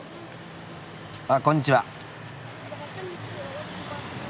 あっこんにちは。